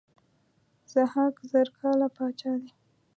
ضحاک زر کاله پاچا دی.